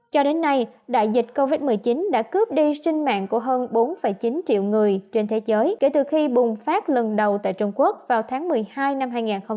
cho đến nay đại dịch covid một mươi chín đã cướp đi sinh mạng của hơn bốn chín triệu người trên thế giới kể từ khi bùng phát lần đầu tại trung quốc vào tháng một mươi hai năm hai nghìn hai mươi